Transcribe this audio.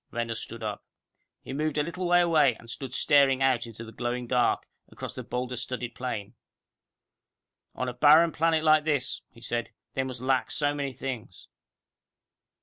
Renner stood up. He moved a little way away, and stood staring out into the growing dark, across the boulder studded plain. "On a barren planet like this," he said, "they must lack so many things!"